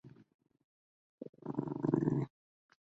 克奇坎也是阿拉斯加海上公路的重要港口。